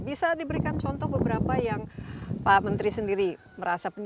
bisa diberikan contoh beberapa yang pak menteri sendiri merasa